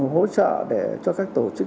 hỗ trợ để cho các tổ chức